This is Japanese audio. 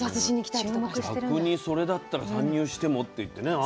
逆にそれだったら参入してもっていってね